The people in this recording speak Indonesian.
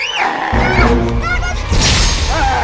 aku takut aku takut tolong jangan